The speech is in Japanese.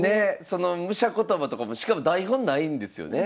その武者言葉とかもしかも台本無いんですよね？